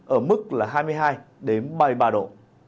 ở mức là hai mươi hai ba mươi ba độ